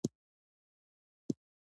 دا معادلې باید توازن شي.